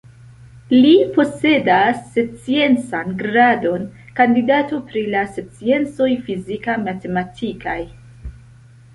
Li posedas sciencan gradon “kandidato pri la sciencoj fizika-matematikaj”.